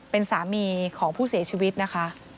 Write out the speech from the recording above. เป็นสามีของผู้เสียชีวิตนะคะ